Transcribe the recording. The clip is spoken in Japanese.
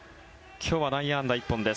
今日は内野安打１本です。